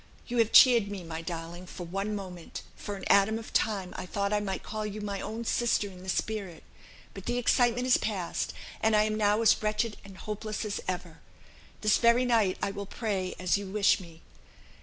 You have cheered me, my darling; for one moment, for an atom of time, I thought I might call you my own sister in the spirit; but the excitement is past, and I am now as wretched and hopeless as ever. This very night I will pray as you wish me.